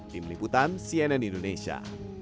tim liputan cnn indonesia